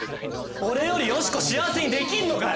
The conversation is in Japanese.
俺よりヨシコ幸せにできるのかよ！